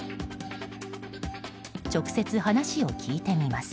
直接、話を聞いてみます。